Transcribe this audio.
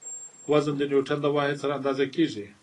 وزن د نیوټڼ د واحد سره اندازه کیږي.